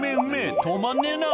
止まんねぇな。